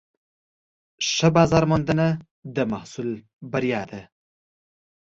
ښه بازارموندنه د محصول بریا ده.